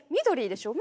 緑。